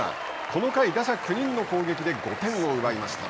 この回打者９人の攻撃で５点を奪いました。